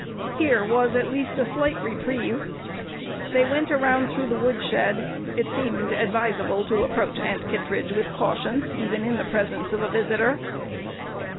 Here was at least a slight reprieve. They went around through the woodshed; it seemed advisable to approach Aunt Kittredge with caution, even in the presence of a visitor.